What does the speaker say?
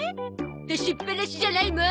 出しっぱなしじゃないもん。